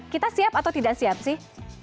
kita siap atau tidak siap sih